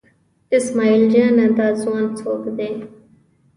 اسمعیل جانه دا ځوان څوک دی؟